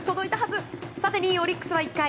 ２位オリックスは１回。